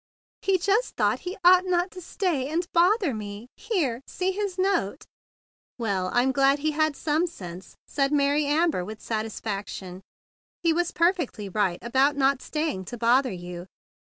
"He just thought he ought not to stay and bother me. Here! See his note." "Well, I'm glad he had some sense," said Mary Amber with satisfaction. "He was perfectly right about not stay¬ ing to bother you."